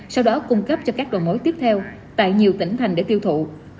sau đó cung cấp cho các đồ mối tiếp theo tại nhiều tỉnh thành để tiêu thụ